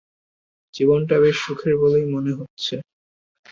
জীবনটা বেশ সুখের বলেই মনে হচ্ছে।